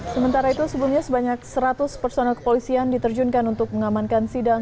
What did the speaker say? sementara itu sebelumnya sebanyak seratus personel kepolisian diterjunkan untuk mengamankan sidang